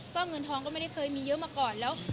ก็เงินทองก็ไม่ได้เคยมีเยอะมาก่อนแล้ว